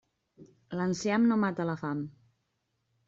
L'enciam no mata la fam.